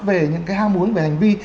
về những cái ham muốn về hành vi